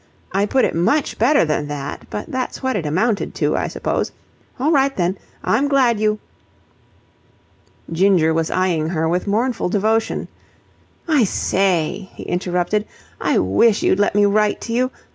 I put it much better than that, but that's what it amounted to, I suppose. All right, then. I'm glad you..." Ginger was eyeing her with mournful devotion. "I say," he interrupted, "I wish you'd let me write to you.